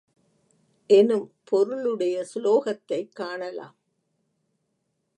எனும் பொருளுடைய சுலோகத்தைக் காணலாம்.